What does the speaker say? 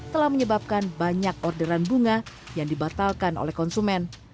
telah menyebabkan banyak orderan bunga yang dibatalkan oleh konsumen